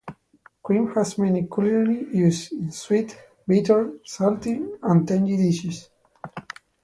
Cream has many culinary uses in sweet, bitter, salty and tangy dishes.